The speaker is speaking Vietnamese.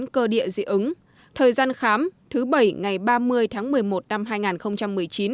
cơ địa dị ứng thời gian khám thứ bảy ngày ba mươi tháng một mươi một năm hai nghìn một mươi chín